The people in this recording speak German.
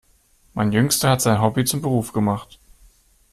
Mein Jüngster hat sein Hobby zum Beruf gemacht.